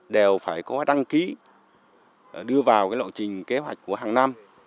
đều phải có đăng ký đưa vào lộ trình kế hoạch của hàng năm